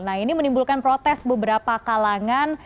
nah ini menimbulkan protes beberapa kalangan